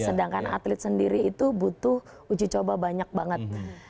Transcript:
sedangkan atlet sendiri itu butuh uji coba banyak banget